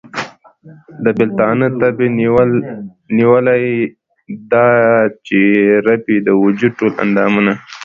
د بېلتانه تبې نيولی ، دا چې ئې رپي د وجود ټول اندامونه